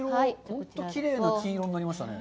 本当にきれいな金色になりましたね。